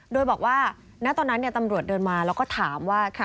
โดยบอกว่าณตอนนั้นตำรวจเดินมาแล้วก็ถามว่า